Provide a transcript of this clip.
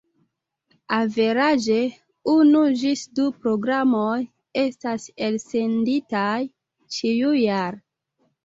Averaĝe unu ĝis du programoj estas elsenditaj ĉiujare.